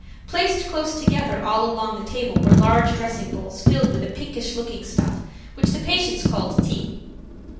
Placed closed together all along the table were large dressing bowls filled with a pinkish looking stuff which the patients called tea.